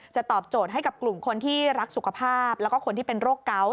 ตอบโจทย์ให้กับกลุ่มคนที่รักสุขภาพแล้วก็คนที่เป็นโรคเกาะ